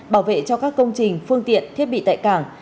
bảo vệ cho các công trình phương tiện thiết bị tại cảng